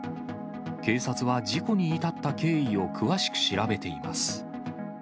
警察は事故に至った経緯を詳しく調べています。